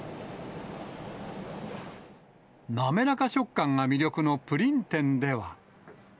滑らか食感が魅力のプリン店では。